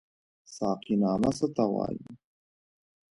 ساقينامه څه ته وايي؟